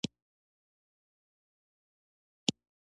د دې سترګور لیکوالانو څخه پټ نه پاتېدل.